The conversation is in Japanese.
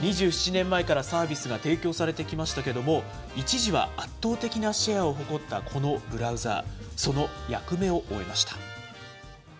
２７年前からサービスが提供されてきましたけれども、一時は圧倒的なシェアを誇ったこのブラウザー。